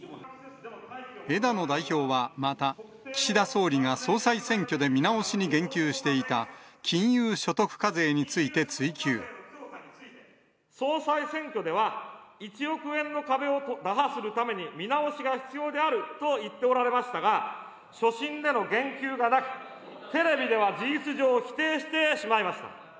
枝野代表はまた、岸田総理が総裁選挙で見直しに言及していた、金融所得課税につい総裁選挙では、１億円の壁を打破するために、見直しが必要であると言っておられましたが、所信での言及がなく、テレビでは事実上、否定してしまいました。